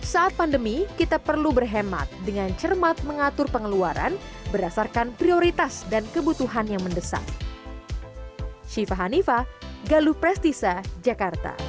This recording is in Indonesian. saat pandemi kita perlu berhemat dengan cermat mengatur pengeluaran berdasarkan prioritas dan kebutuhan yang mendesak